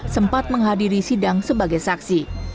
sempat menghadiri sidang sebagai saksi